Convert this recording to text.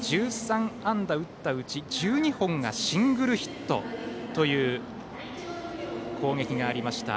１３安打打ったうち１２本がシングルヒットという攻撃がありました。